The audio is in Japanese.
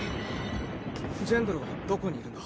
ジェンドルはどこにいるんだ？